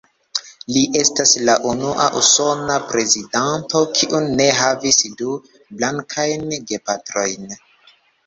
Li estas la unua usona prezidanto kiu ne havis du blankajn gepatrojn.